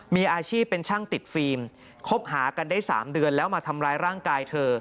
มีอาชีพเป็นช่างติดฟิล์มคบหากันได้๓เดือนแล้วมาทำร้ายร่างกายเธอ